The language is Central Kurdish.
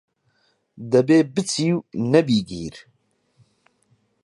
دەبێ پچی و نەبی گیر